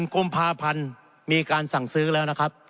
กุมภาพันธ์มีการสั่งซื้อแล้วนะครับ